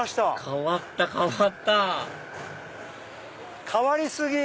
変わった変わった変わり過ぎ！